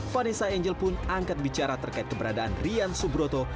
vanessa angel pun angkat bicara terkait keberadaan rian subroto